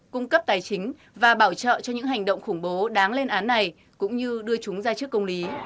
cung cấp tài chính và bảo trợ cho những hành động khủng bố đáng lên án này cũng như đưa chúng ra trước công lý